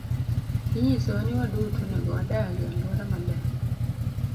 Inyisowa ni waduto onego wadag e alwora maler.